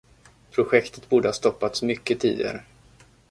Projektet borde ha stoppats mycket tidigare